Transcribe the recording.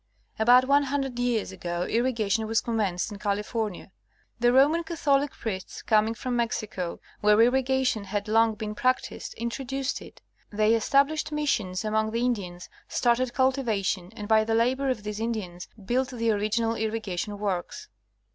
About 100 years ago irrigation was commenced in California. The Roman Catholic priests, coming from Mexico where irriga tion had long been practiced, introduced it. They established missions among the Indians, started cultivation, and by the labor of these Indians built the original irrigation works.